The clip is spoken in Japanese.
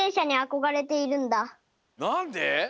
なんで？